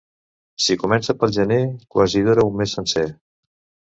Si comença pel gener, quasi dura un mes sencer.